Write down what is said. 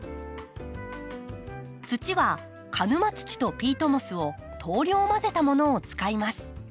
土は鹿沼土とピートモスを等量混ぜたものを使います。